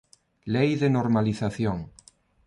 Lei de Normalización.